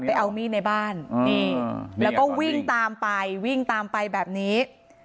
นี่แล้วก็วิ่งตามไปวิ่งตามไปแบบนี้